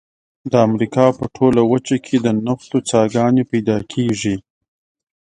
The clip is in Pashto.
د امریکا په ټوله وچه کې د نفتو څاګانې پیدا کیږي.